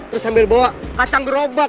terus sambil bawa kasang gerobak